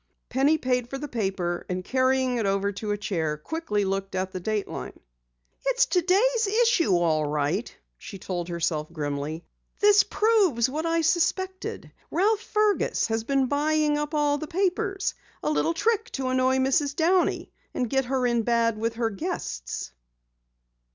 Penny paid for the paper and carrying it over to a chair, quickly looked at the dateline. "It's today's issue, all right," she told herself grimly. "This proves what I suspected. Ralph Fergus has been buying up all the papers a little trick to annoy Mrs. Downey and get her in bad with her guests!"